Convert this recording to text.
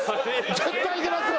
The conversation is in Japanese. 絶対いけますよ！